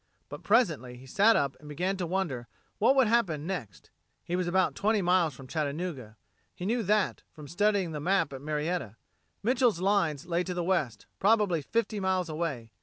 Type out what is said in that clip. But presently he sat up and began to wonder what would happen next. He was about twenty miles from Chattanooga he knew that from studying the map at Marietta. Mitchel's lines lay to the west, probably fifty miles away.